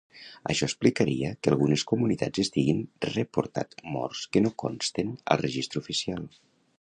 Això explicaria que algunes comunitats estiguin reportat morts que no consten al registre oficial.